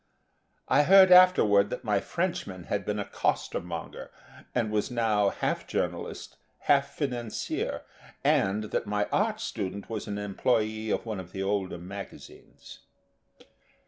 I heard afterward that my Frenchman had been a costermonger and was now half journalist, half financier, and that my art student was an employee of one of the older magazines.